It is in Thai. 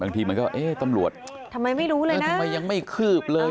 บางทีมันก็เอ๊ะตำรวจทำไมไม่รู้เลยทำไมยังไม่คืบเลย